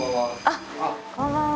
あっこんばんは。